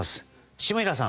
下平さん！